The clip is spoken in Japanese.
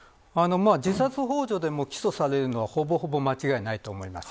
自殺ほう助でも起訴されるのはほぼ間違いないと思います。